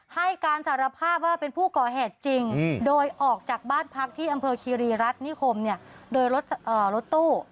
ให้การสารภาพว่าเป็นผู้ก่อเหตุจริงโดยออกจากบ้านพักที่อำเภอคีรีรัฐนิคมโดยรถตู้